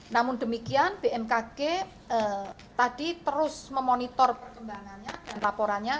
namun demikian bmkg tadi terus memonitor perkembangannya dan laporannya